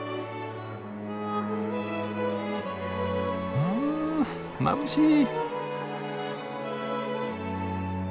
うんまぶしい。